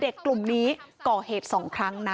แล้วเด็กกลุ่มนี้รู้มุมกล้องด้วยว่ากล้องวงจรปิดอยู่ตรงไหนยังไง